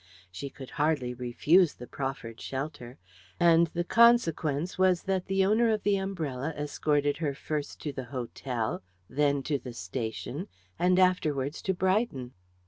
She could hardly refuse the proffered shelter, and the consequence was that the owner of the umbrella escorted her first to the hotel, then to the station, and afterwards to Brighton.